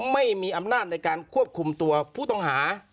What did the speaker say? ไม่มีอำนาจในการควบคุมตัวผู้ต้องหา